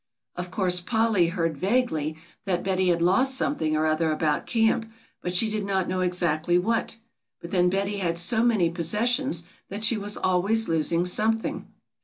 Of course Polly heard vaguely that Betty had lost something or other about camp, but she did not know exactly what, but then Betty had so many possessions that she was always losing something.